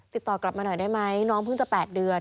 ติดต่อกลับมาหน่อยได้ไหมน้องเพิ่งจะ๘เดือน